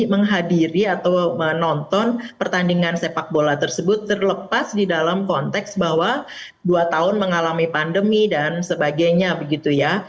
menghadiri atau menonton pertandingan sepak bola tersebut terlepas di dalam konteks bahwa dua tahun mengalami pandemi dan sebagainya begitu ya